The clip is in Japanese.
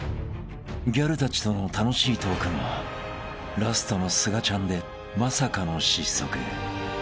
［ギャルたちとの楽しいトークもラストのすがちゃんでまさかの失速］